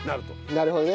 なるほどね。